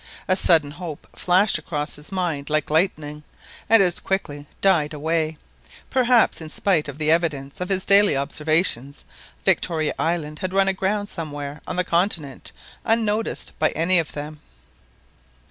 A sudden hope flashed across his mind like lightning, and as quickly died away: perhaps in spite of the evidence of his daily observations Victoria Island had run aground somewhere on the continent unnoticed by any of them.